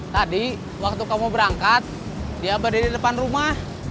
tadi waktu kamu berangkat dia berdiri depan rumah